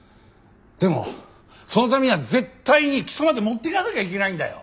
でもそのためには絶対に起訴まで持っていかなきゃいけないんだよ。